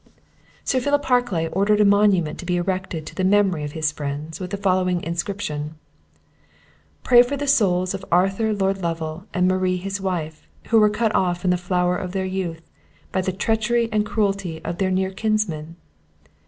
Sir Philip Harclay ordered a monument to be erected to the memory of his friends, with the following inscription: "Praye for the soules of Arthur Lord Lovele and Marie his wife, who were cut off in the flowere of theire youthe, by the trecherye and crueltie of theire neare kinnesmanne.